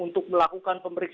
untuk melakukan pembelajaran